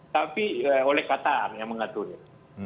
tapi oleh qatar yang mengaturnya